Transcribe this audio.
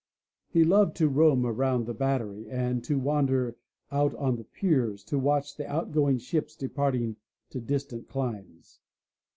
He loved to roam around the Battery, and to wander out on the piers to watch the out going ships departing to distant climes.